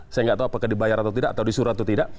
saya nggak tahu apakah dibayar atau tidak atau disuruh atau tidak